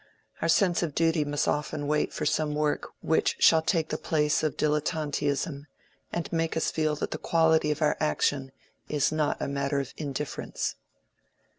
Our sense of duty must often wait for some work which shall take the place of dilettanteism and make us feel that the quality of our action is not a matter of indifference.